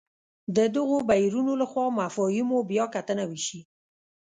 د دغو بهیرونو له خوا مفاهیمو بیا کتنه وشي.